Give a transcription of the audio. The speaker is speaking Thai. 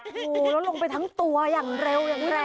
พูดเยี่ยมมันลงไปทั้งตัวอย่างเร็วอย่างแรก